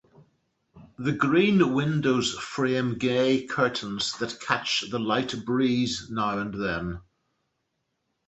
The green windows frame gay curtains that catch the light breeze now and then.